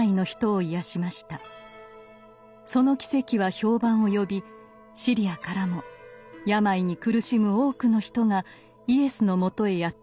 その奇跡は評判を呼びシリアからも病に苦しむ多くの人がイエスのもとへやって来ました。